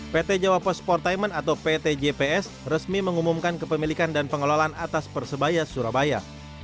pt jawa post sportainment atau pt jps resmi mengumumkan kepemilikan dan pengelolaan atas persebaya surabaya